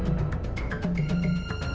apakah ini